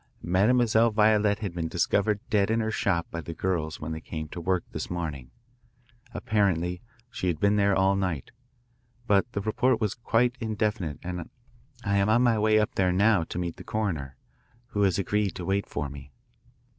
Mademoiselle Violette had been discovered dead in her shop by the girls when they came to work this morning. Apparently she had been there all night, but the report was quite indefinite and I am on my way up there now to meet the coroner, who has agreed to wait for me."